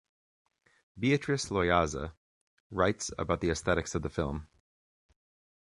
Beatrice Loayza writes about the aesthetics of the film.